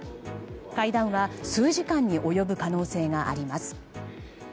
会談は数時間に及ぶ可能性があります。